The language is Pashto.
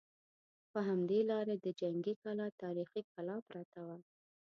په همدې لاره د جنګي کلا تاریخي کلا پرته وه.